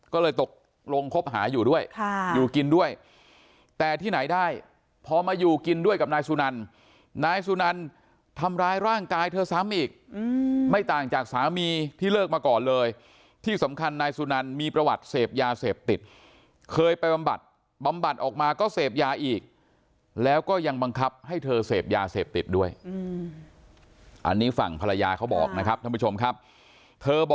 ก็เลยตกลงคบหาอยู่ด้วยอยู่กินด้วยแต่ที่ไหนได้พอมาอยู่กินด้วยกับนายสุนันนายสุนันทำร้ายร่างกายเธอซ้ำอีกไม่ต่างจากสามีที่เลิกมาก่อนเลยที่สำคัญนายสุนันมีประวัติเสพยาเสพติดเคยไปบำบัดบำบัดออกมาก็เสพยาอีกแล้วก็ยังบังคับให้เธอเสพยาเสพติดด้วยอันนี้ฝั่งภรรยาเขาบอกนะครับท่านผู้ชมครับเธอบ